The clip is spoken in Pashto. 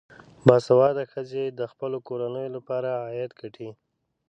باسواده ښځې د خپلو کورنیو لپاره عاید ګټي.